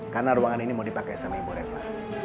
karena ruangan ini mau dipakai sama ibu reva